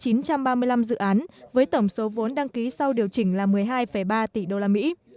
tính đến năm hai nghìn một mươi sáu toàn tỉnh có chín trăm ba mươi năm dự án với tổng số vốn đăng ký sau điều chỉnh là một mươi hai ba tỷ đô la mỹ